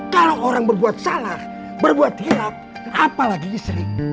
kalo orang berbuat salah berbuat hilap apalagi istri